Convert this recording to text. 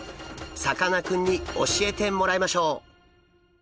さかなクンに教えてもらいましょう！